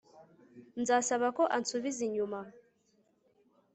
nzasaba ko ansubiza inyuma